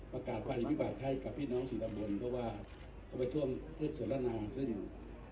ประกาศไปพิวัติให้กับพี่น้องสีตำบลเพราะว่าเขาไปท่วมเทศสวรรค์นานซึ่ง